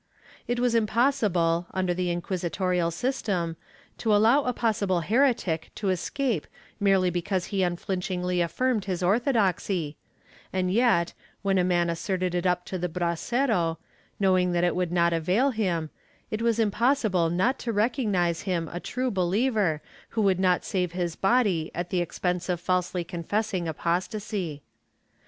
It was impossible, under the inquisitorial system, to allow a possible heretic to escape merely because he unflinchingly affirmed his orthodoxy, and yet when a man asserted it up to the brasero, knowing that it would not avail him, it was impossible not to recognize in him a true believer who would not save his body at the expense of falsely confessing apostasy.